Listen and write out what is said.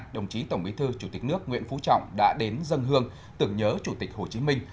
đồng chí tổng bí thư chủ tịch nước nguyễn phú trọng đã đến dân hương tưởng nhớ chủ tịch hồ chí minh